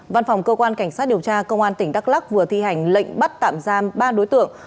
văn phòng cơ quan cảnh sát điều tra công an tỉnh đắk lắc vừa thi hành lệnh bắt tạm giam ba đối tượng